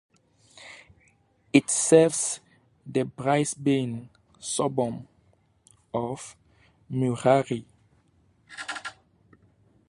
It serves the Brisbane suburb of Murarrie.